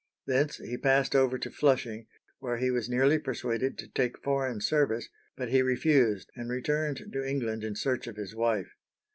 Thence he passed over to Flushing, where he was nearly persuaded to take foreign service, but he refused and returned to England in search of his wife.